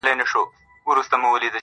ما چي د هيلو د اختر شېبې ـ شېبې شچيرلې~